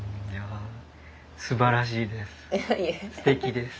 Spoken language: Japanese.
すばらしいです。